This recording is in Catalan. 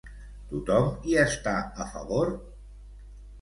Tothom hi està a favor?